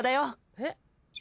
えっ？